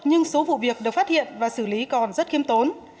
nhưng số vụ việc được phát hiện và xử lý còn rất khiêm tốn